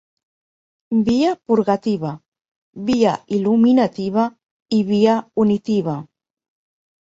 Via purgativa, via il·luminativa i via unitiva.